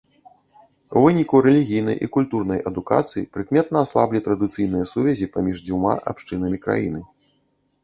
У выніку рэлігійнай і культурнай адукацыі прыкметна аслаблі традыцыйныя сувязі паміж дзвюма абшчынамі краіны.